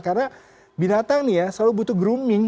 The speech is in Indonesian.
karena binatang ini ya selalu butuh grooming